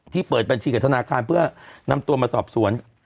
เปิดบัญชีกับธนาคารเพื่อนำตัวมาสอบสวน